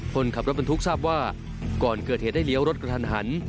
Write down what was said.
คนขับรถบรรทุกทราบว่าก่อนเกิดเหตุได้เลี้ยวรถกระทันหัน